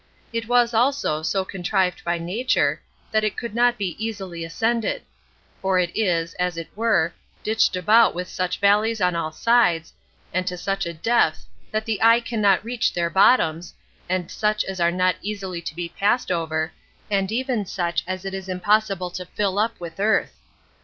It was also so contrived by nature, that it could not be easily ascended; for it is, as it were, ditched about with such valleys on all sides, and to such a depth, that the eye cannot reach their bottoms, and such as are not easily to be passed over, and even such as it is impossible to fill up with earth.